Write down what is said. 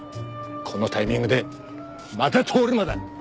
このタイミングでまた通り魔だ。